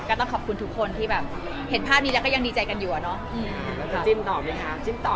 ก็ต้องขอบคุณทุกคนที่แบบเห็นภาพนี้แล้วก็ยังดีใจกันอยู่อะเนาะ